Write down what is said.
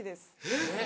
えっ？